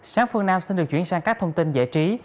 sáng phương nam xin được chuyển sang các thông tin giải trí